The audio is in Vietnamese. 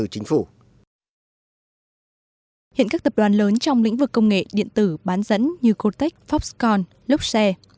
hiện các tập đoàn lớn trong lĩnh vực công nghệ điện tử bán dẫn như cortex foxconn luxe